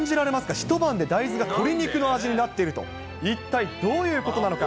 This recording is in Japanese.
一晩で大豆が鶏肉の味になっていると、一体どういうことなのか。